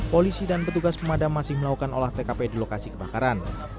polisi dan petugas pemadam masih melakukan olah tkp di lokasi kebakaran